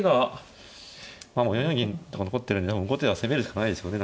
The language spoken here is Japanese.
まあ４四銀とか残ってるんで後手は攻めるしかないですよね